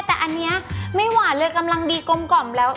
แต่อันนี้ไม่หวานเลยกำลังดีกลมกล่อมแล้ว